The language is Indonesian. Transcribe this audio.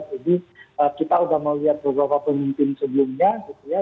jadi kita sudah melihat beberapa pemimpin sebelumnya gitu ya